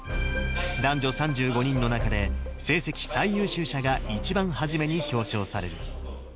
男女３５人の中で、成績最優秀者が一番初めに表彰される。